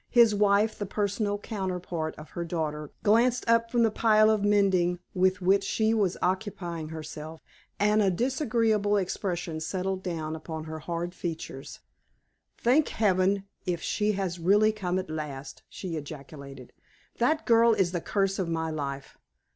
His wife, the personal counterpart of her daughter, glanced up from the pile of mending with which she was occupying herself, and a disagreeable expression settled down upon her hard features. "Thank Heaven if she has really come at last!" she ejaculated; "that girl is the curse of my life!